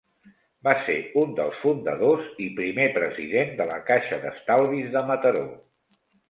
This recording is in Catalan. Va ser un dels fundadors, i primer president de la Caixa d'Estalvis de Mataró.